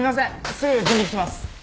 すぐ準備します。